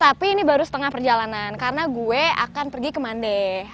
tapi ini baru setengah perjalanan karena gue akan pergi ke mandeh